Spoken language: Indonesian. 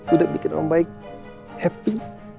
udah bikin orang baik happy